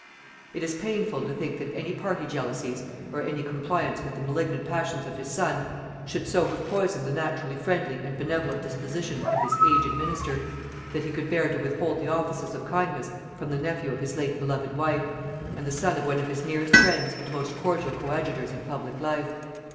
It is painful to think that any party jealousies, or any compliance with the malignant passions of his son, should so have poisoned the naturally friendly and benevolent disposition of this aged minister, that he could bear to withhold the offices of kindness from the nephew of his late beloved wife, and the son of one of his nearest friends and most cordial coadjutors in public life.